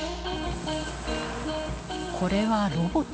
これはロボット？